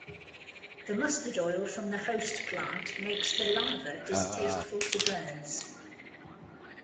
The mustard oil from the host plant makes the larva distasteful to birds.